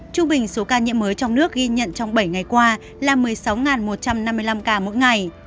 trung bình số ca nhiễm mới trong nước ghi nhận trong bảy ngày qua là một mươi sáu một trăm năm mươi năm ca mỗi ngày